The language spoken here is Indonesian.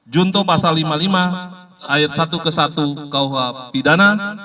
junto pasal lima puluh lima ayat satu ke satu kuh pidana